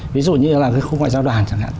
ví dụ như là cái khu ngoại giao đoàn chẳng hạn